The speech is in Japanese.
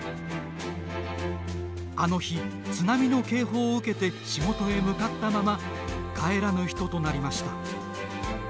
あの日、津波の警報を受けて仕事へ向かったまま帰らぬ人となりました。